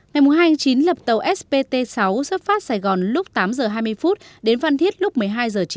ngày hai tháng chín lập tàu spt sáu xuất phát sài gòn lúc tám h hai mươi đến phan thiết lúc một mươi hai h chín mươi